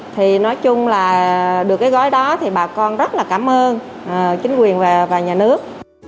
thì nói chung là được cái gói đó thì bà con rất là cảm ơn chính quyền và nhà nước